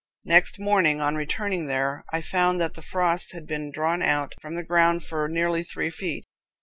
Next morning, on returning there, I found that the frost had been drawn out from the ground for nearly three feet.